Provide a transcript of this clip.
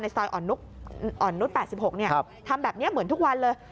ซอยอ่อนนุษย์๘๖ทำแบบนี้เหมือนทุกวันเลย